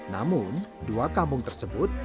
namun dua kampung tersebut